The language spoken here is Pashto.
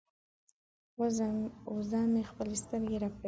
وزه مې خپلې سترګې رپوي.